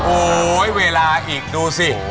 โอ๊ยเวลาอีกดูสิ